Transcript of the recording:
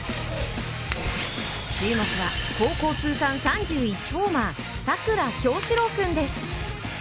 注目は、高校通算３１ホーマー佐倉侠史朗くんです。